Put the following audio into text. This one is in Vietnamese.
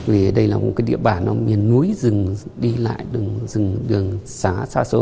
vì đây là một địa bản miền núi rừng đi lại rừng đường xã xã xôi